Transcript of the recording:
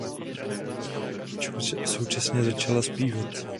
Současně začala zpívat.